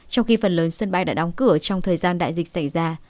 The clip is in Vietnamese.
trong khi phần lớn sân bay đã đóng cửa trong thời gian đại dịch xảy ra